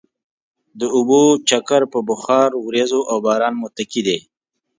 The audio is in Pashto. د اوبو چکر په بخار، ورېځو او باران متکي دی.